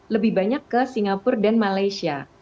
lebih banyak ke singapura dan malaysia